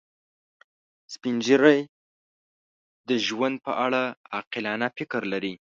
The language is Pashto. سپین ږیری د ژوند په اړه عاقلانه فکر لري